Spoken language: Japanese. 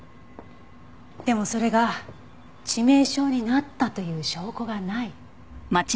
でもそれが致命傷になったという証拠がない。